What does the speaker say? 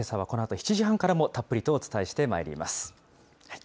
このあと、７時半からもたっぷりとお伝えしてまいります。